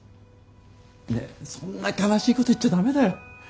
ねえそんな悲しいこと言っちゃ駄目だよ。